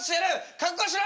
覚悟しろ！